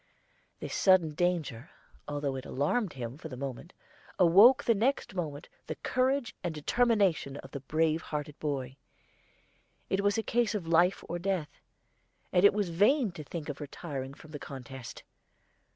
This sudden danger, although it alarmed him for the moment, awoke the next moment the courage and determination of the brave hearted boy. It was a case of life or death, and it was vain to think of retiring from the contest.